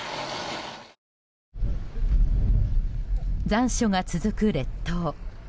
残暑が続く列島。